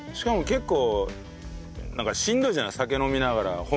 結構。